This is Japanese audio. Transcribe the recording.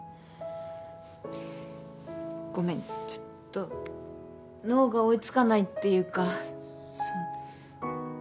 ごめんちょっと脳が追いつかないっていうかその。